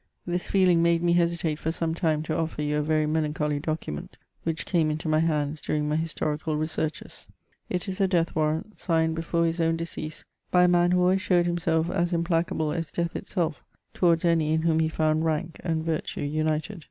This feeiing made me hesitate for some Ume to oSer you a very melaDcholy document which came into my hands during my historical researches. It is a. death warrant, signed before his own decease, by a man who always showed himself as implacable as death itself towards any in whom he found rank and virtue united.